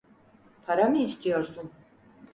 Para mı istiyorsun?